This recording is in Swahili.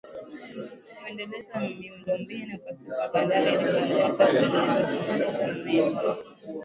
Kuendeleza miundombinu katika bandari ili kuondoa taka zilizozalishwa kwa meli